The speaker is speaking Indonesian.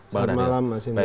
selamat malam mas indra